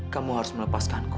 kamu harus melepaskanku